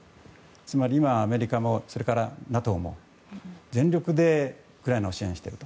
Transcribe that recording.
つまり、今はアメリカもそれからＮＡＴＯも全力でウクライナを支援している。